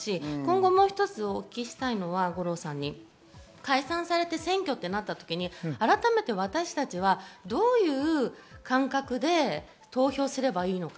もう一つお聞きしたいのは解散して選挙となった時に改めて私たちは、どういう感覚で投票すればいいのか。